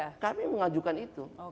iya kami mengajukan itu